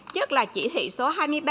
chức là chỉ thị số hai mươi ba